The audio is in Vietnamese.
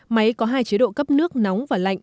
máy có hai chế độ cấp nước nóng và lạnh